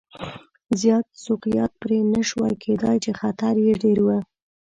زیات سوقیات پرې نه شوای کېدای چې خطر یې ډېر و.